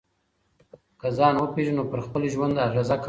که ځان وپېژنو نو پر خپل ژوند اغېزه کولای سو.